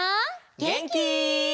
げんき？